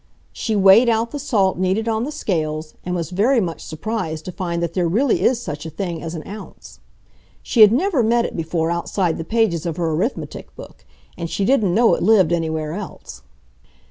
She weighed out the salt needed on the scales, and was very much surprised to find that there really is such a thing as an ounce. She had never met it before outside the pages of her arithmetic book and she didn't know it lived anywhere else.